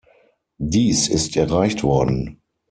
Dies ist erreicht worden.